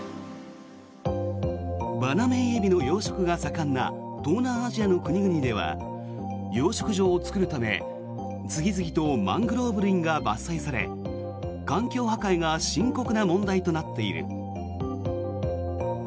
バナメイエビの養殖が盛んな東南アジアの国々では養殖場を作るため次々とマングローブ林が伐採され環境破壊が深刻な問題となっている。